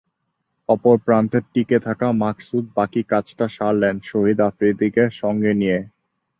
অপর প্রান্তে টিকে থাকা মাকসুদ বাকি কাজটা সারলেন শহীদ আফ্রিদিকে সঙ্গে নিয়ে।